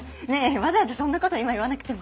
わざわざそんなこと今言わなくても。